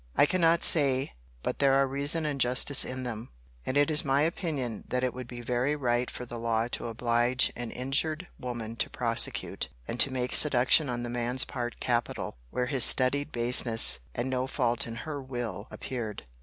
I cannot say but there are reason and justice in them: and it is my opinion, that it would be very right for the law to oblige an injured woman to prosecute, and to make seduction on the man's part capital, where his studied baseness, and no fault in her will, appeared.